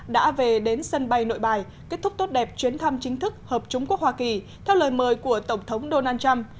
đã về đến sân bay nội bài kết thúc tốt đẹp chuyến thăm chính thức hợp chúng quốc hoa kỳ theo lời mời của tổng thống donald trump